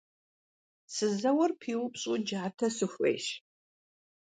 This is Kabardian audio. Сызэуэр пиупщӏу джатэ сыхуейщ.